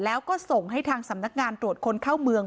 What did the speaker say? แล้วก็ส่งให้ทางสำนักงานตรวจคนเข้าเมือง